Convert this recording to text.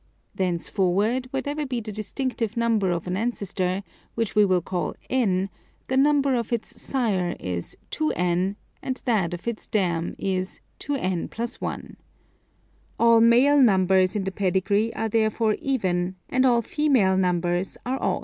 Thence forward whatever be the distinctive number of an ancestor, which we will call n, the number of its sire is 2«, and that of its dam is 2« + i. All male numbers in the pedigree are therefore even, and all female numbers are odd.